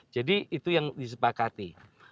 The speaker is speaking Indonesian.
jadi itu yang disepakati